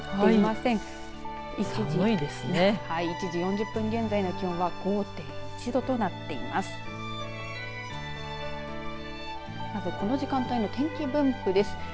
はい、１時４０分現在の気温は５．１度となっています。